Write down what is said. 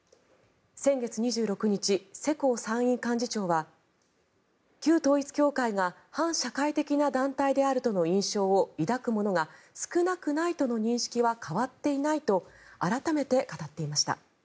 先月２６日、世耕参院幹事長は旧統一教会が反社会的な団体であるとの印象を抱く者が少なくないとの認識は変わっていないと改めて語っていました。